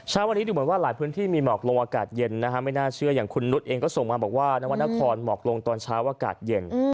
เช้าวันนี้ดูเหมือนว่าหลายพื้นที่มีหมอกลงอากาศเย็นนะฮะไม่น่าเชื่ออย่างคุณนุษย์เองก็ส่งมาบอกว่านวรรณครหมอกลงตอนเช้าอากาศเย็น